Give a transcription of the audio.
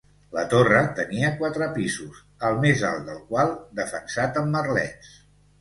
La torre tenia quatre pisos, el més alt del qual defensat amb merlets.